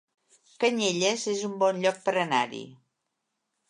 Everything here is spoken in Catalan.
Canyelles es un bon lloc per anar-hi